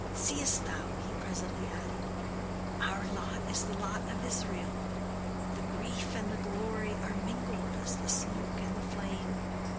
"Seest thou," he presently added, "our lot is the lot of Israel. The grief and the glory are mingled as the smoke and the flame.